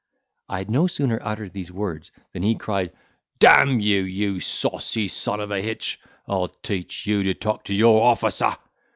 I had no sooner uttered these words, than he cried, "Damn you, you saucy son of a hitch, I'll teach you to talk so to your officer."